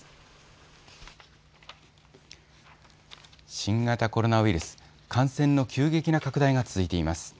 新型コロナウイルス、感染の急激な拡大が続いています。